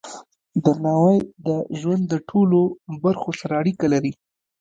درناوی د ژوند د ټولو برخو سره اړیکه لري.